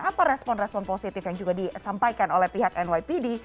apa respon respon positif yang juga disampaikan oleh pihak nypd